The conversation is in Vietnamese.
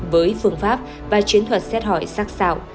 với phương pháp và chiến thuật xét hỏi sắc xảo